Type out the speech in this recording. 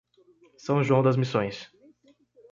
São João das Missões